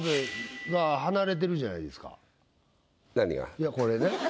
いやこれね。